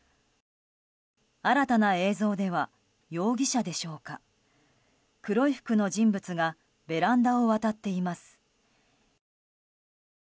新たな映像では容疑者でしょうか黒い服の人物がベランダを渡っています。